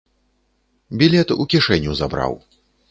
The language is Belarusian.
Білет у кішэню забраў.